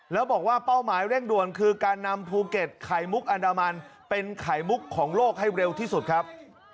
แล้วบอกว่าเป้าหมายเร่งด่วนคือการนำภูเก็ตไข่มุกอันดามันเป็นไข่มุกของโลกให้เร็วที่สุดครับ